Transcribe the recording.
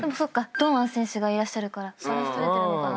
堂安選手がいらっしゃるからバランス取れてるのかな。